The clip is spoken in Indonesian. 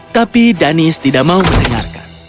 tapi danis tidak mau mendengarkan